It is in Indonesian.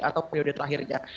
atau periode terakhirnya